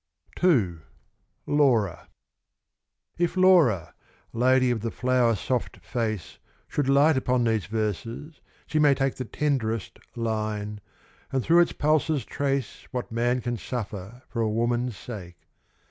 II Laura If Laura lady of the flower soft face Should light upon these verses, she may take The tenderest line, and through its pulses trace What man can suffer for a woman's sake.